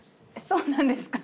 そうなんですか！？